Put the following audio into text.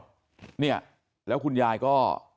นี่ดีแล้วก็ฮ่าเลยคุณยายก็